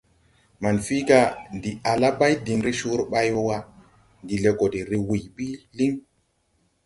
Manfii: « Ndi ala bay diŋ re coore ɓay wa, ndi le go de re wuy ɓi liŋ. ».